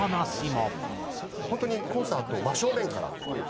本当にコンサートを真正面から。